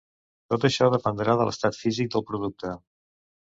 Tot això dependrà de l'estat físic del producte.